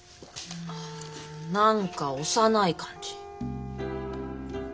何か幼い感じ。